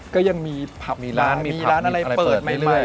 ก็ยังมีผับมีร้านมีร้านอะไรเปิดใหม่